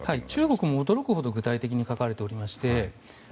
中国も驚くほど具体的に書かれていまして